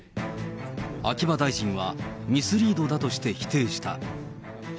秋葉大臣はミスリードだとして否定した。